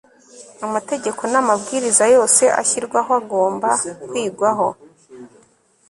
amategeko n'amabwiriza yose ashyirwaho agomba kwigwaho